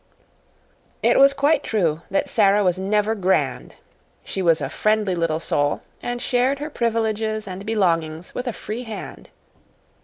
It was quite true that Sara was never "grand." She was a friendly little soul, and shared her privileges and belongings with a free hand.